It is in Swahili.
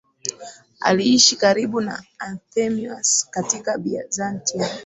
aliishi karibu na Anthemius katika Byzantium